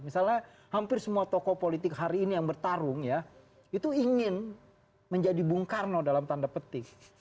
misalnya hampir semua tokoh politik hari ini yang bertarung ya itu ingin menjadi bung karno dalam tanda petik